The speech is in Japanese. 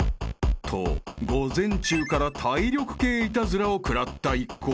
［と午前中から体力系イタズラを食らった一行］